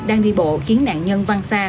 đang đi bộ khiến nạn nhân văng xa